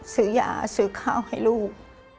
ซื้อยาซื้อข้าวให้ลูก